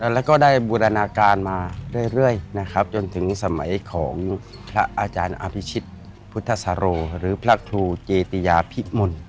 แล้วก็ได้บูรณาการมาเรื่อยนะครับจนถึงสมัยของพระอาจารย์อภิชิตพุทธศโรหรือพระครูเจติยาพิมล